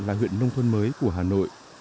là huyện nông thuận mới của hà nội